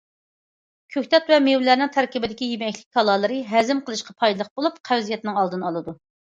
كۆكتات ۋە مېۋىلەرنىڭ تەركىبىدىكى يېمەكلىك تالالىرى ھەزىم قىلىشقا پايدىلىق بولۇپ، قەۋزىيەتنىڭ ئالدىنى ئالىدۇ.